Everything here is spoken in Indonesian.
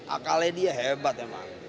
akalnya dia hebat emang